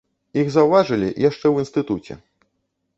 Іх заўважылі яшчэ ў інстытуце.